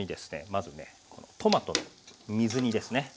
まずねトマト水煮ですね